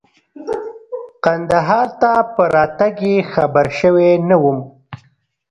کندهار ته په راتګ یې خبر شوی نه وم.